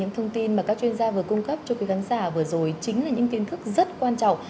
thông tin mà các chuyên gia vừa cung cấp cho quý khán giả vừa rồi chính là những kiến thức rất quan trọng